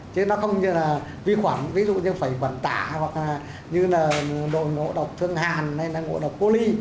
chứ nó không như là vi khoản ví dụ như phải bẩn tả hoặc như là độ ngộ độc thương hàn hay là ngộ độc cố ly